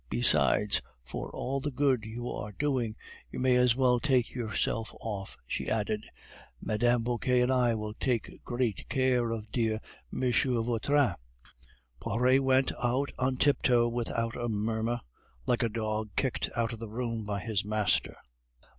Besides, for all the good you are doing, you may as well take yourself off," she added. "Mme. Vauquer and I will take great care of dear M. Vautrin." Poiret went out on tiptoe without a murmur, like a dog kicked out of the room by his master.